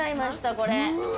これ。